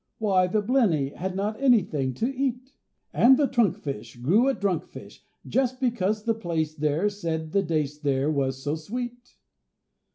Why, the Blenny had not anything to eat! And the Trunk fish grew a drunk fish, just because The Plaice there said the Dace there was so sweet.